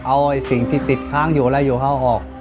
เอาสิ่งที่ติดค้างอยู่แล้วอยู่เขาออก